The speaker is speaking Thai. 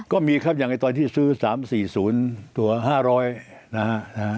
ก็มีครับอย่างในตอนที่ซื้อ๓๔๐ตัว๕๐๐นะฮะ